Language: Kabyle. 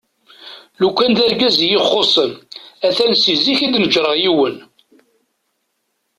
Lukan d argaz iyi-ixusen a-t-an seg zik i d-neǧǧreɣ yiwen.